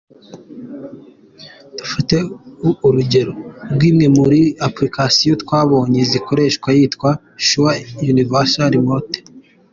Dufate urugero rw’imwe muri applications twabonye zikoreshwa yitwa ‘Sure Universal Remote’.